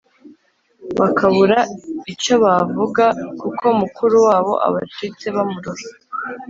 Bakabura icyo bavuga Kuko mukuru wabo Abacitse bamurora!